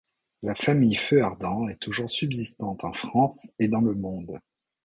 La famille Feuardent est toujours subsistante en France et dans le monde.